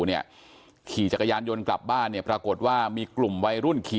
เนี่ยขี่จักรยานยนต์กลับบ้านเนี่ยปรากฏว่ามีกลุ่มวัยรุ่นขี่